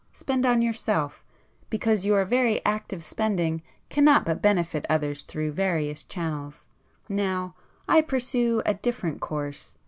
Spend on yourself,—because your very act of spending cannot but benefit others through various channels. Now I pursue a different course.